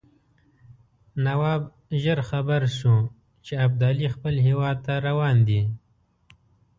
نواب ژر خبر شو چې ابدالي خپل هیواد ته روان دی.